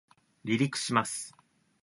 離陸します